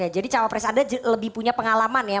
jadi cawapres anda lebih punya pengalaman ya